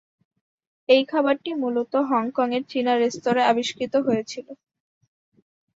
এই খাবারটি মূলত হংকংয়ের চীনা রেস্তোরাঁয় আবিষ্কৃত হয়েছিল।